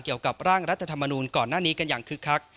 เกี่ยวกับร่างรัฐธรรมนูลก่อนหน้านี้กันอย่างคึกคัก